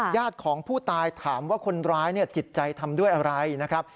ญาติของผู้ตายถามว่าคนร้ายจิตใจทำด้วยอะไรนะครับ